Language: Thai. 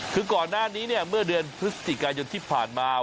คือก่อนหน้านี้เนี่ยเมื่อเดือนพฤศจิกายนที่ผ่านมา